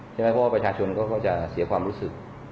เพราะสมัยประชาชนก็จะเสียความรู้สึก